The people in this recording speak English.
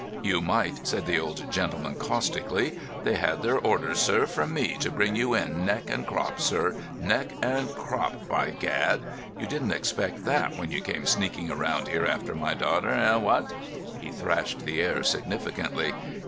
"You might," said the old gentleman caustically. "They had their orders, sir, from me, to bring you in neck and crop, sir—neck and crop, by gad! You didn't expect that when you came sneaking round here after my daughter—eh, what?" He thrashed the air significantly.